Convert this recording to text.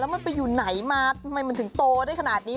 แล้วมันไปอยู่ไหนมามันถึงโตได้ขนาดนี้